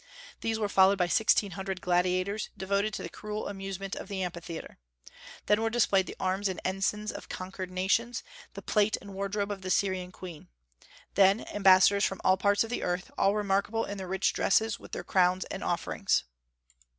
These were followed by sixteen hundred gladiators, devoted to the cruel amusement of the amphitheatre. Then were displayed the arms and ensigns of conquered nations, the plate and wardrobe of the Syrian queen. Then ambassadors from all parts of the earth, all remarkable in their rich dresses, with their crowns and offerings.